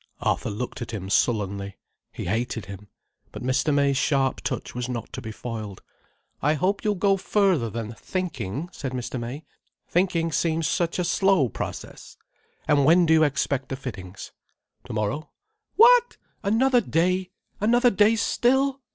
Arthur looked at him sullenly. He hated him. But Mr. May's sharp touch was not to be foiled. "I hope you'll go further than thinking," said Mr. May. "Thinking seems such a slow process. And when do you expect the fittings—?" "Tomorrow." "What! Another day! Another day _still!